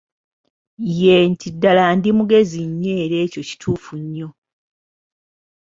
Yee, nti ddala ndi mugezi nnyo era ekyo kituufu nnyo.